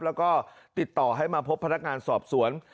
แล้วก็ติดต่อให้มาพบพนักงานสอบสวน